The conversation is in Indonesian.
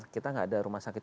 kita nggak ada rumah sakit